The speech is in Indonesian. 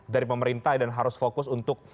dari pemerintah dan harus fokus untuk